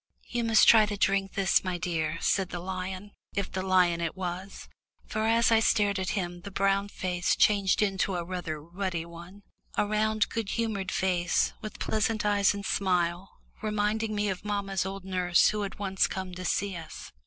"You must try to drink this, my dear," said the lion, if the lion it was, for as I stared at him the brown face changed into a rather ruddy one a round good humoured face, with pleasant eyes and smile, reminding me of mamma's old nurse who had once come to see us.